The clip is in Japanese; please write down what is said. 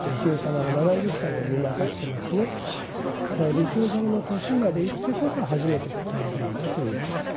利休様の年まで生きてこそ初めて使えるんだということで。